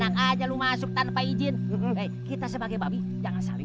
anak aja lu masuk tanpa izin kita sebagai babi jangan saling